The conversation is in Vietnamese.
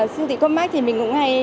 sư thị quân mắc thì mình cũng hay